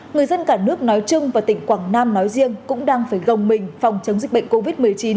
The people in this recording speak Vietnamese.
người dân cả nước nói chung và tỉnh quảng nam nói riêng cũng đang phải gồng mình phòng chống dịch bệnh covid một mươi chín